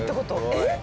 えっ？